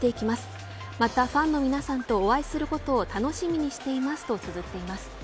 またファンの皆さまとお会いすることを楽しみにしていますとつずっています。